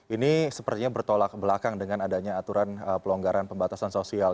ini sepertinya bertolak belakang dengan adanya aturan pelonggaran pembatasan sosial